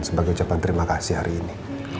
sebagai ucapan terima kasih hari ini